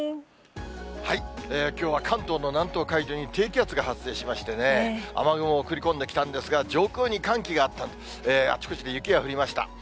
きょうは関東の南東海上に低気圧が発生しましてね、雨雲を送り込んできたんですが、上空に寒気があったんで、あちこちで雪が降りました。